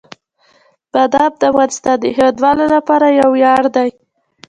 بادام د افغانستان د هیوادوالو لپاره یو ویاړ دی.